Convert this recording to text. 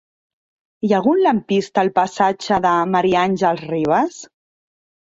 Hi ha algun lampista al passatge de Ma. Àngels Rivas?